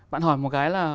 bạn hỏi một cái là